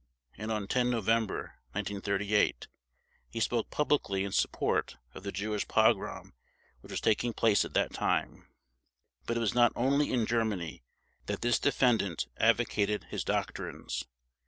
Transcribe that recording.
And on 10 November 1938 he spoke publicly in support of the Jewish pogrom which was taking place at that time. But it was not only in Germany that this defendant advocated his doctrines.